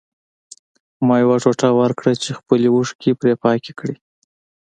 ما یو ټوټه ورکړه چې خپلې اوښکې پرې پاکې کړي